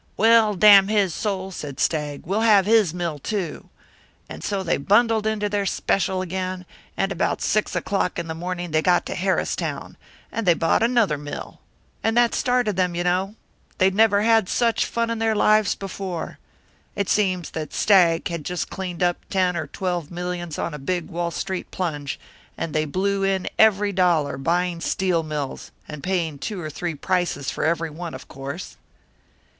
"'Well, damn his soul,' said Stagg, 'we'll have his mill, too.' "And so they bundled into their special again, and about six o'clock in the morning they got to Harristown, and they bought another mill. And that started them, you know. They'd never had such fun in their lives before. It seems that Stagg had just cleaned up ten or twelve millions on a big Wall Street plunge, and they blew in every dollar, buying steel mills and paying two or three prices for every one, of course."